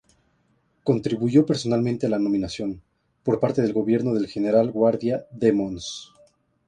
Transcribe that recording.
Contribuyó personalmente a la nominación, por parte del gobierno del General Guardia, de Mons.